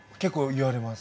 言われます。